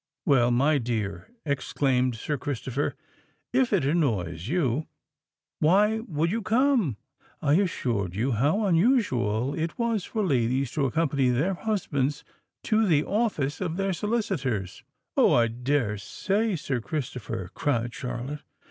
"Well, my dear," exclaimed Sir Christopher, "if it annoys you, why would you come? I assured you how unusual it was for ladies to accompany their husbands to the office of their solicitors——" "Oh! I dare say, Sir Christopher!" cried Charlotte.